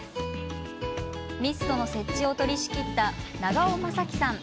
ミストの設置を取りしきった長尾昌輝さん。